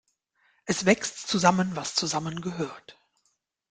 Es wächst zusammen, was zusammengehört.